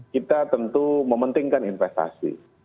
kita tentu mementingkan investasi